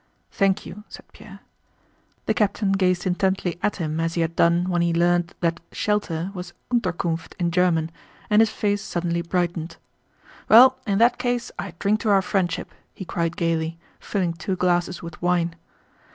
"Thank you," said Pierre. The captain gazed intently at him as he had done when he learned that "shelter" was Unterkunft in German, and his face suddenly brightened. "Well, in that case, I drink to our friendship!" he cried gaily, filling two glasses with wine.